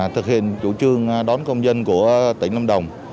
thực hiện chủ trương đón công dân của tỉnh lâm đồng